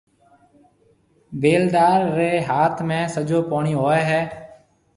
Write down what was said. بيلدار ريَ هاٿ ۾ سجو پوڻِي هوئي هيَ۔